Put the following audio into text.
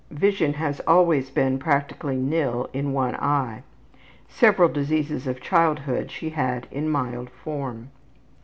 Vision has always been practically nil in one eye. Several diseases of childhood she had in mild form.